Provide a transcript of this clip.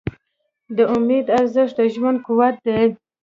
د امید ارزښت د ژوند قوت دی.